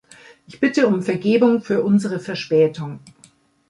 Ich bitte um Vergebung für unsere Verspätung.